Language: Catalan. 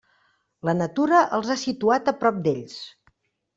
La natura els ha situats a prop d'ells.